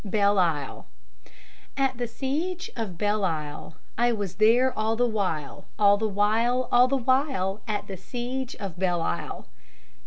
BELLEISLE At the siege of Belleisle I was there all the while, All the while, all the while, At the siege of Belleisle.